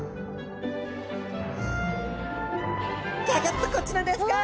ギョギョッとこちらですか！